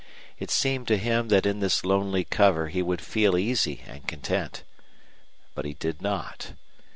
It seemed to him that in this lonely cover he would feel easy and content. But he did not.